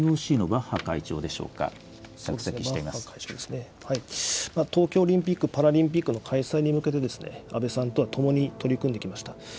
バッハ会長ですね、東京オリンピック・パラリンピックの開催に向けて、安倍さんとは共に取り組んできました。